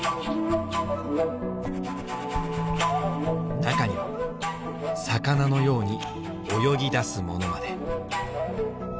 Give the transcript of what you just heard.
中には魚のように泳ぎだすものまで。